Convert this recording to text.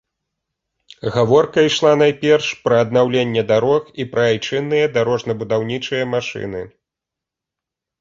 Гаворка ішла найперш пра аднаўленне дарог і пра айчынныя дарожна-будаўнічыя машыны.